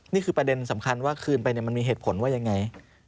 นี่คือประเด็นสำคัญว่าคืนไปมันมีเหตุผลว่ายังไง